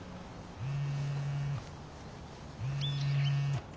うん。